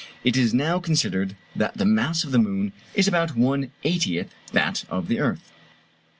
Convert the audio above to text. It is now considered that the mass of the moon is about one eightieth that of the earth.